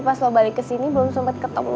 pas lo balik kesini belum sempet ketemu